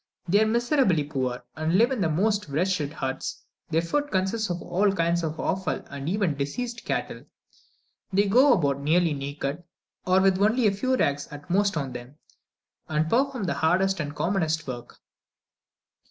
They are miserably poor, and live in the most wretched huts; their food consists of all kinds of offal and even diseased cattle; they go about nearly naked, or with only a few rags at most on them, and perform the hardest and commonest work.